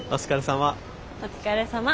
お疲れさま。